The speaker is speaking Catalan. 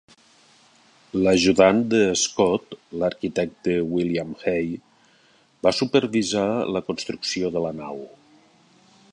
L'ajudant de Scott, l'arquitecte William Hay, va supervisar la construcció de la nau.